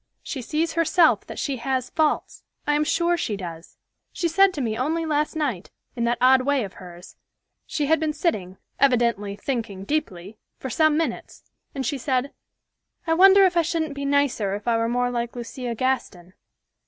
She sees herself that she has faults: I am sure she does. She said to me only last night, in that odd way of hers, she had been sitting, evidently thinking deeply, for some minutes, and she said, 'I wonder if I shouldn't be nicer if I were more like Lucia Gaston.'